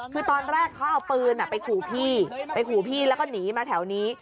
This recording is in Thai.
คือตอนแรกเขาเอาปืนไปขู่พี่ไปขู่พี่แล้วก็หนีมาแถวนี้